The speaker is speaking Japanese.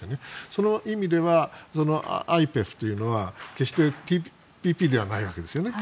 その意味ではＩＰＥＦというのは決してＴＰＰではないわけですね。